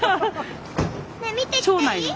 ねえ見てきていい？